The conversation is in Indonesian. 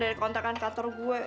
dari kontrakan kantor gue